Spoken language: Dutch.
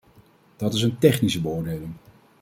Dat is een technische beoordeling.